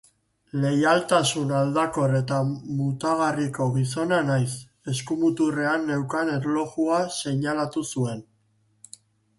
Leialtasun aldakor eta mutagarriko gizona naiz eskumuturrean neukan erlojua seinalatu zuen.